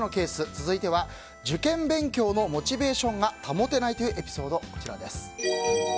続いては受験勉強のモチベーションが保てないというエピソードです。